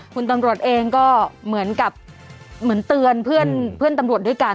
คุณตำรวจเองก็เหมือนกับเหมือนเตือนเพื่อนตำรวจด้วยกัน